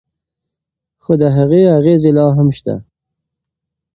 خو د هغې اغیزې لا هم شته.